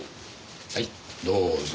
はいどうぞ。